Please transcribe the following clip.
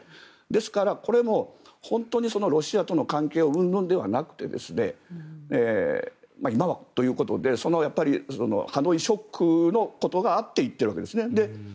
ですから、これも本当にロシアとの関係うんぬんではなくて今はということでハノイショックのことがあって行っているわけですね。